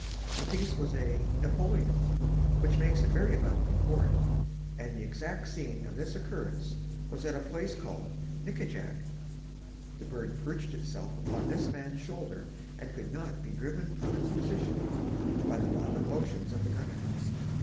The piece was a "Napoleon," which makes a very loud report, and the exact scene of this occurrence was at a place called "Nickajack." The bird perched itself upon this man's shoulder and could not be driven from its position by the violent motions of the gunner.